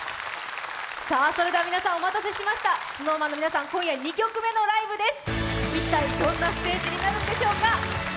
それでは皆さんお待たせしました、ＳｎｏｗＭａｎの皆さん、今夜２曲目のライブです。